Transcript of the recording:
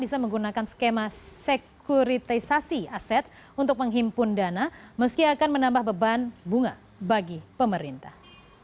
bisa menggunakan skema sekuritisasi aset untuk menghimpun dana meski akan menambah beban bunga bagi pemerintah